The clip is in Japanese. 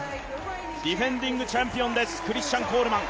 ディフェンディングチャンピオンです、クリスチャン・コールマン。